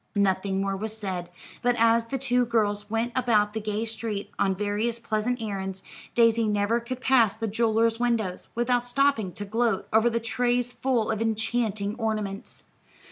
Nothing more was said; but as the two girls went about the gay street on various pleasant errands, Daisy never could pass the jewellers' windows without stopping to gloat over the trays full of enchanting ornaments.